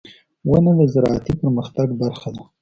• ونه د زراعتي پرمختګ برخه ده.